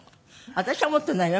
私は持ってないよ